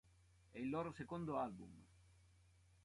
È il loro secondo album.